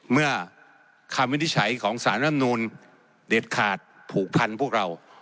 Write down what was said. เมื่อคำวินิจฉัยของสารรำนูลเด็ดขาดผูกพันพวกเรา